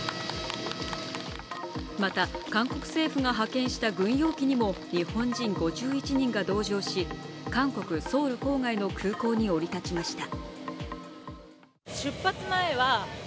また、韓国政府が派遣した軍用機にも日本人５１人が同乗し、韓国・ソウル郊外の空港に降り立ちました。